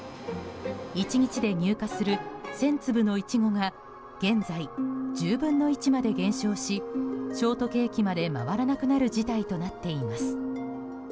１日で入荷する１０００粒のイチゴが現在１０分の１まで減少しショートケーキまで回らなくなる事態となっています。